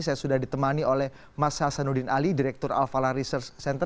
saya sudah ditemani oleh mas hasanuddin ali direktur alvala research center